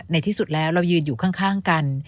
ในที่สุดแล้วเรายืนอยู่ข้างกัน